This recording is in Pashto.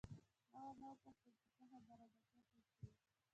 ما ورنه وپوښتل چې څه خبره ده، څه پېښ شوي؟